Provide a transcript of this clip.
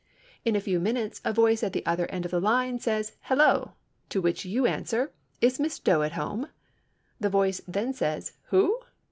In a few minutes a voice at the other end of the line says, "Hello," to which you answer, "Is Miss Doe at home?" The voice then says, "Who?"